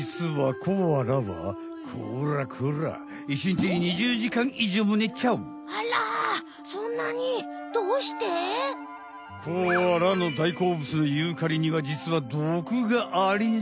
コアラのだいこうぶつのユーカリにはじつは毒がありんす。